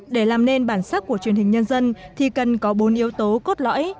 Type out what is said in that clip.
để làm nên bản sắc của truyền hình nhân dân thì cần có bốn yếu tố cốt lõi